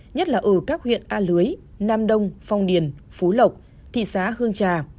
nhất là ở các huyện a lưới nam đông phong điền phú lộc thị xã hương trà